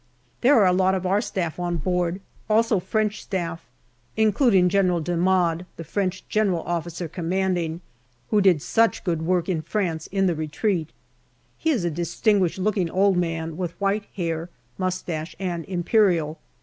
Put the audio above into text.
There are a lot of our Staff on board also French Staff, including General D'Amade, the French G.O.C., who did such good work in France in the retreat. He is a dis tinguished looking old man with white hair, moustache, and imperial.